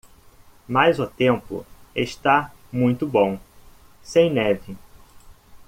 Mas o tempo está muito bom, sem neve